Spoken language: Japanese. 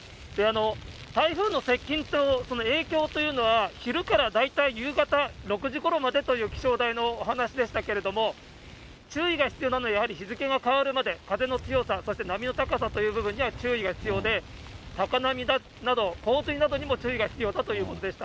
台風の接近とその影響というのは、昼から大体夕方６時ごろまでという、気象台のお話でしたけれども、注意が必要なのはやはり日付が変わるまで、風の強さ、そして波の高さという部分には注意が必要で、高波など、洪水などに注意が必要ということです。